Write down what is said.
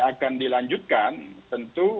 akan dilanjutkan tentu